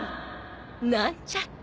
なんちゃって。